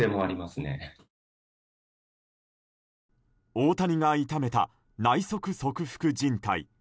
大谷が痛めた内側側副じん帯。